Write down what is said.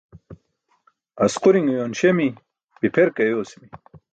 Asqurin uyoon śemi, bipher ke ayosimi.